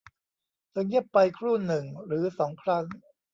เธอเงียบไปครู่หนึ่งหรือสองครั้ง